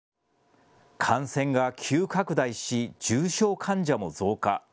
感染が急拡大し重症患者も増加。